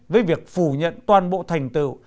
với việc phù nhận toàn bộ thành tựu